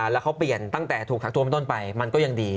แล้วเขาเปลี่ยนตั้งแต่ถูกทักทวงเป็นต้นไปมันก็ยังดี